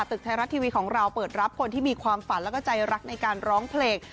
ตึกไทยรัฐทีวีของเราเปิดรับคนที่มีความฝันแล้วก็ใจรักในการร้องเพลง